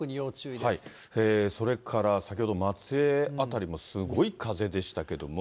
それから先ほど、松江辺りもすごい風でしたけども。